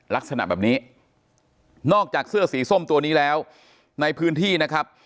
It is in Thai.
ลักษณะแบบนี้นอกจากเสื้อสีส้มตัวนี้แล้วในพื้นที่นะครับ